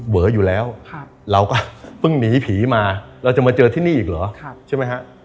เวออยู่แล้วเราก็เพิ่งหนีผีมาเราจะมาเจอที่นี่อีกเหรอใช่ไหมฮะ